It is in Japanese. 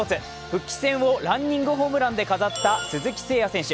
復帰戦をランニングホームランで飾った鈴木誠也選手。